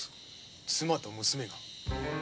妻と娘が！